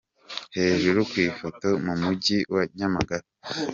Hejuru ku ifoto: Mu Mujyi wa Nyamagabe.